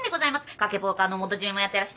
賭けポーカーの元締もやってらして。